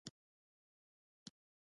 د هوږې پوستکی د بواسیر لپاره وکاروئ